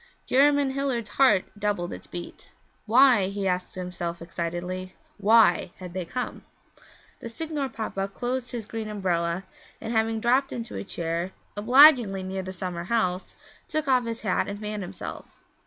Jerymn Hilliard's heart doubled its beat. Why, he asked himself excitedly, why had they come? The Signor Papa closed his green umbrella, and having dropped into a chair obligingly near the summer house took off his hat and fanned himself.